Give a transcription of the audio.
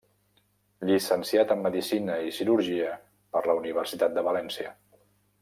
Llicenciat en Medicina i Cirurgia per la Universitat de València.